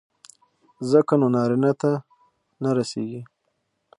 ځکه نو نارينه ته نه رسېږي.